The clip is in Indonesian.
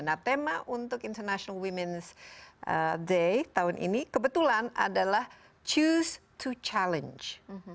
nah tema untuk international women's day tahun ini kebetulan adalah choose to challenge